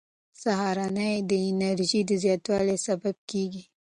سهارنۍ د انرژۍ د زیاتوالي سبب کېږي.